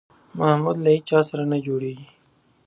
محمود له هېچا سره نه جوړېږي.